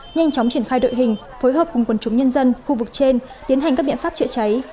nhanh chóng triển khai đội hình phối hợp cùng quần chúng nhân dân khu vực trên tiến hành các biện pháp chữa cháy